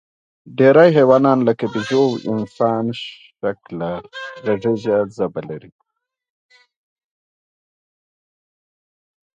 ډېری حیوانات، لکه بیزو او انسانشکله غږیزه ژبه لري.